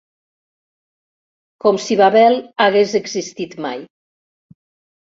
Com si Babel hagués existit mai.